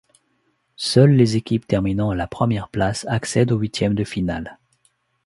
Seules les équipes terminant à la première place accèdent aux huitièmes de finale.